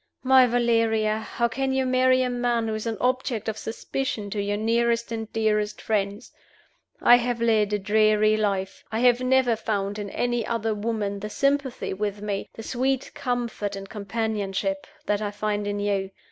My Valeria! how can you marry a man who is an object of suspicion to your nearest and dearest friends? I have led a dreary life. I have never found in any other woman the sympathy with me, the sweet comfort and companionship, that I find in you.